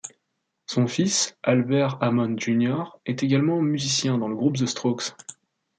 Son fils, Albert Hammond Jr est également musicien dans le groupe The Strokes.